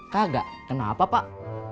kagak kenapa pak